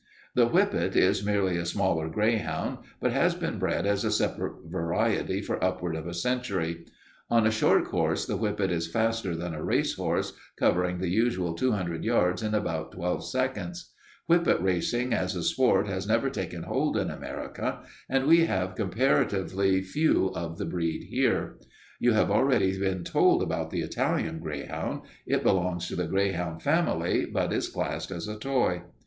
"The whippet is merely a smaller greyhound, but has been bred as a separate variety for upward of a century. On a short course the whippet is faster than a racehorse, covering the usual 200 yards in about 12 seconds. Whippet racing as a sport has never taken hold in America and we have comparatively few of the breed here. You have already been told about the Italian greyhound. It belongs to the greyhound family but is classed as a toy.